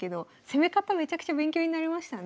めちゃくちゃ勉強になりましたね。